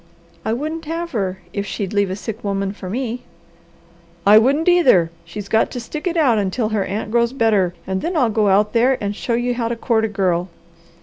"I wouldn't have her, if she'd leave a sick woman for me!" "I wouldn't either. She's got to stick it out until her aunt grows better, and then I'll go out there and show you how to court a girl."